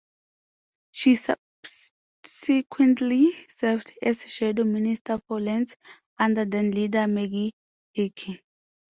She subsequently served as Shadow Minister for Lands under then leader Maggie Hickey.